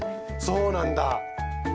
そうなんだ。